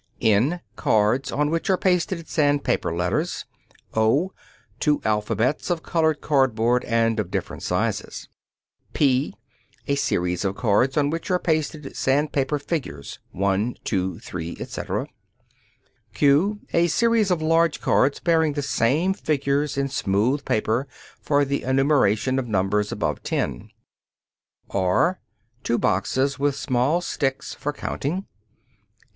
(n) Cards on which are pasted sandpaper letters. (o) Two alphabets of colored cardboard and of different sizes. (p) A series of cards on which are pasted sandpaper figures (1, 2, 3, etc.). (q) A series of large cards bearing the same figures in smooth paper for the enumeration of numbers above ten. (r) Two boxes with small sticks for counting.